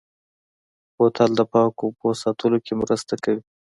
بوتل د پاکو اوبو ساتلو کې مرسته کوي.